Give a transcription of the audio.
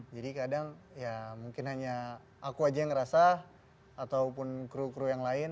jadi kadang ya mungkin hanya aku aja yang ngerasa ataupun kru kru yang lain